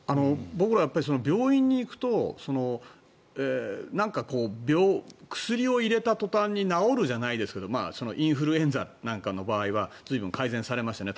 僕ら、病院に行くとなんか薬を入れた途端に治るじゃないですけどインフルエンザなんかの場合は随分、改善されましたね。